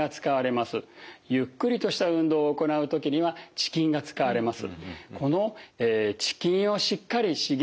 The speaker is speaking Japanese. ゆっくりとした運動を行う時には遅筋が使われます。